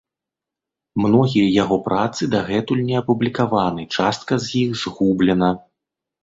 Многія яго працы дагэтуль не апублікаваны, частка з іх згублена.